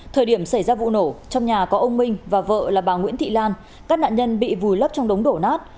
thời điểm xảy ra vụ nổ trong nhà có ông minh và vợ là bà nguyễn thị lan các nạn nhân bị vùi lấp trong đống đổ nát